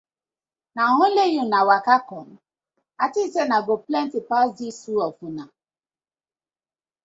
Na only una waka com? I tink say una go plenty pass di two of una.